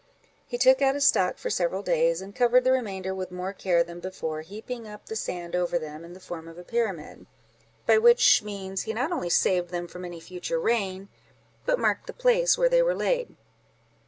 He took out a stock for several days, and covered the remainder with more care than before, heaping up the sand over them in the form of a pyramid; by which means he not only saved them from any future rain, but marked the place where they were laid.